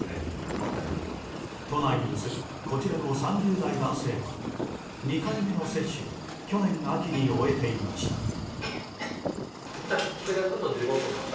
都内に住むこちらの３０代男性は２回目の接種を去年秋に終えていました。